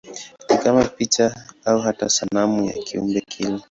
Ni kama picha au hata sanamu ya kiumbe kile.